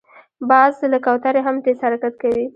باز له کوترې هم تېز حرکت کوي